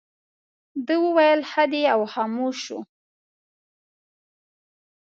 ده وویل ښه دی او خاموش شو.